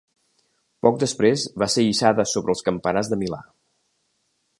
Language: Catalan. Poc després va ser hissada sobre els campanars de Milà.